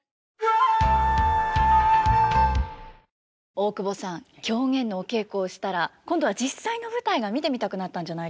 大久保さん狂言のお稽古をしたら今度は実際の舞台が見てみたくなったんじゃないですか？